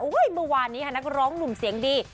เมื่อวานนี้ค่ะนักร้องหนุ่มเสียงดี